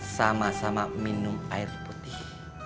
sama sama minum air putih